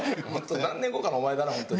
何年後かのお前だな本当に。